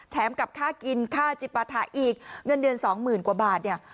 แถมกับค่ากินค่าจิปทะอีกเงินเดือน๒๐๐๐๐กว่าบาทเนี่ย